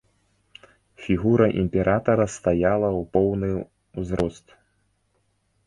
Фігура імператара стаяла ў поўны ўзрост.